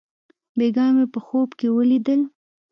بېګاه مې په خوب کښې وليدل.